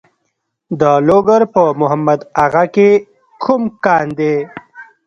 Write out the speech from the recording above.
د لوګر په محمد اغه کې کوم کان دی؟